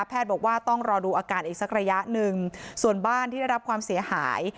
บอกว่าต้องรอดูอาการอีกสักระยะหนึ่งส่วนบ้านที่ได้รับความเสียหาย